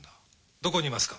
どこにいますか？